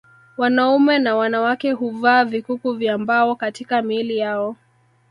Wanaume na wanawake huvaa vikuku vya mbao katika miili yao